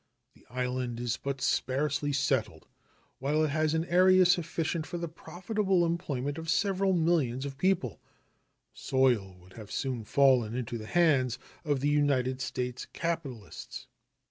The island is but sparsely settled, while it has an area sufficient for the profitable employment of several millions of people. The soil would have soon fallen into the hands of United States capitalists.